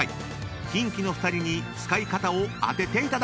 ［キンキの２人に使い方を当てていただきます］